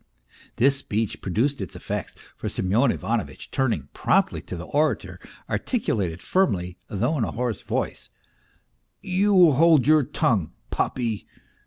This speech produced its effects, for Semyon Ivanovitch, turning promptly to the orator, articulated firmly, though in a hoarse voice, " You hold your tongue, puppy